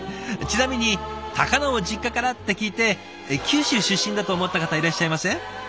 ちなみに高菜を実家からって聞いて九州出身だと思った方いらっしゃいません？